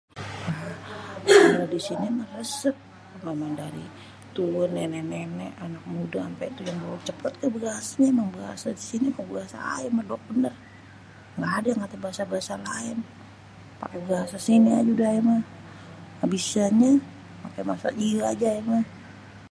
Kalo di sini meh resep, ngomong dari, dulu nenek-nenek anak muda ampe tua merucut banget bahasenye emang bahasenye disini pake bahasa aye medok bener, ga ade yang pake bahasa-bahasa laen, pake bahasa sini aje aye udeh meh abisanye pake bahasa iye aja aye meh.